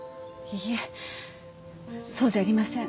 いいえそうじゃありません。